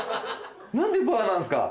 何でパーなんすか？